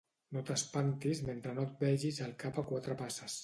No t'espantis mentre no et vegis el cap a quatre passes.